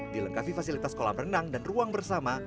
dilengkapi fasilitas kolam renang dan ruang bersama